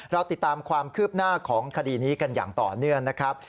เราติดตามความคืบหน้าของคดีนี้กันอย่างต่อเนื่องนะครับ